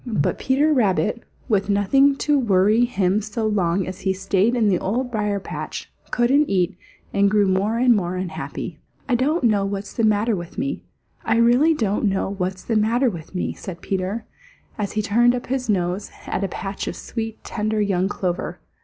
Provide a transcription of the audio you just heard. But Peter Rabbit, with nothing to worry him so long as he stayed in the Old Briar patch, couldn't eat and grew more and more unhappy. "I don't know what's the matter with me. I really don't know what's the matter with me," said Peter, as he turned up his nose at a patch of sweet, tender young clover.